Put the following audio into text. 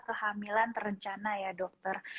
kehamilan terencana ya dokter